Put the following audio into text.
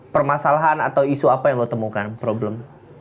permasalahan atau isu apa yang lo temukan problem